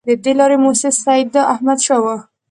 د دې لارې مؤسس سیداحمدشاه وو.